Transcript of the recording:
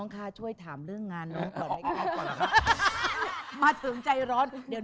ขาดอะไรอันหนึ่งไปไม่ได้เลย